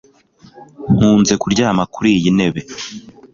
Nkunze kuryama kuriyi ntebe